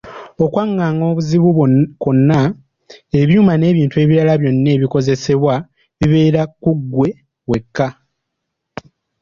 Okwanganga obuzibu kwonna, ebyuma n’ebintu ebirala byonna ebikozesebwa bibeera ku ggwe wekka.